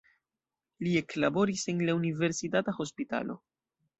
Li eklaboris en la universitata hospitalo.